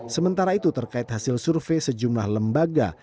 sementara itu terkait hasil survei sejumlah lembaga